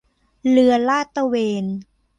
เรือลาดตระเวน